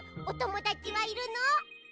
おともだちはいるの？